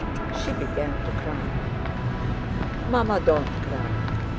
She began to cry. "Mamma, don't cry!